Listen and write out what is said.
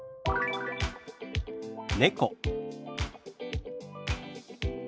「猫」。